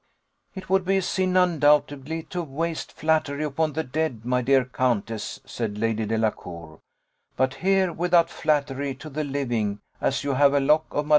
"It would be a sin, undoubtedly, to waste flattery upon the dead, my dear countess," said Lady Delacour; "but here, without flattery to the living, as you have a lock of Mad.